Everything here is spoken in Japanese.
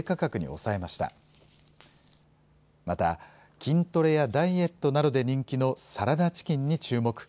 また、筋トレやダイエットなどで人気のサラダチキンに注目。